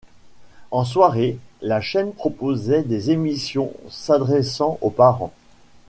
En soirée, la chaîne proposait des émissions s'adressant aux parents.